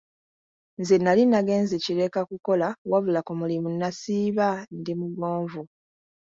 Nze nnali nagenze Kireka kukola wabula ku mulimu nasiiba ndi mugonvu.